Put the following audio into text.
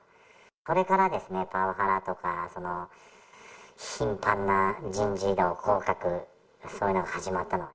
それからですね、パワハラとか、頻繁な人事異動、降格、そういうのが始まったのは。